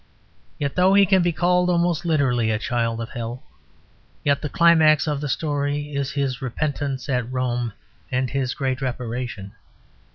Yet though he can be called almost literally a child of hell, yet the climax of the story is his repentance at Rome and his great reparation.